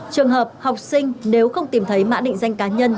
trường hợp học sinh nếu không tìm thấy mã định danh cá nhân